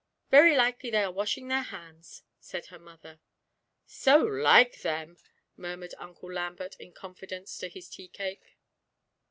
'Very likely they are washing their hands,' said her mother. 'So like them!' murmured Uncle Lambert in confidence to his tea cake.